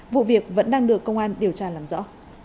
vụ việc vẫn đang được công an điều tra làm rõ